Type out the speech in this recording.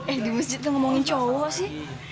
eh di masjid itu ngomongin cowok sih